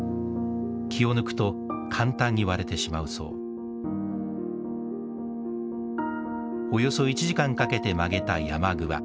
気を抜くと簡単に割れてしまうそうおよそ１時間かけて曲げたヤマグワ。